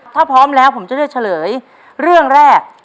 ถ้าพร้อมแล้วผมจะเลือกเฉลยเรื่องแรก